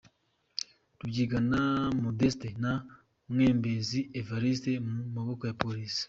Rubyigana Modeste na Mwembezi Evariste mu maboko ya Police.